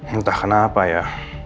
entah kenapa ya